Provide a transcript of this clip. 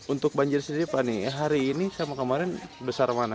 untuk banjir sendiri pak nih hari ini sama kemarin besar mana